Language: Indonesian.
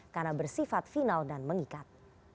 karena bersifat final dan mengikat